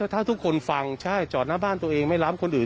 ถ้าทุกคนฟังใช่จอดหน้าบ้านตัวเองไม่ล้ำคนอื่น